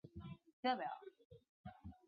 圣吕曼德库泰。